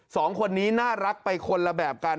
สองคนนี้น่ารักไปคนละแบบกัน